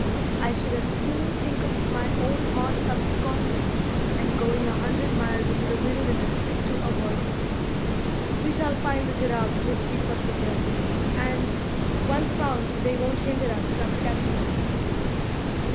I should as soon think of my own horse absconding, and going a hundred miles into the wilderness, to avoid me. We shall find the giraffes if we persevere; and, once found, they won't hinder us from catching them."